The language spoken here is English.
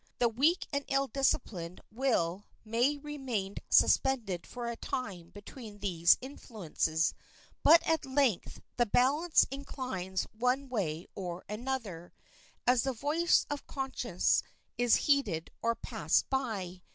The weak and ill disciplined will may remained suspended for a time between these influences, but at length the balance inclines one way or another, as the voice of conscience is heeded or passed by.